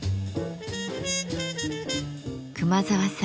熊澤さん